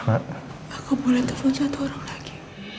aku boleh telpon satu orang lagi